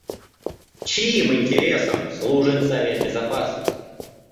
Чьим интересам служит Совет Безопасности?